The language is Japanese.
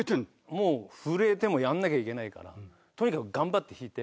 もう震えてもやんなきゃいけないからとにかく頑張って弾いて。